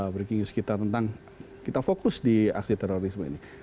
breaking news kita tentang kita fokus di aksi terorisme ini